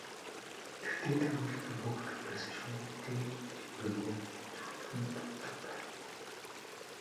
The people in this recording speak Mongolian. Тэртэй тэргүй л би хөөгдөх байсан шүү дээ гэж өөрийгөө зөвтгөн боддог байв.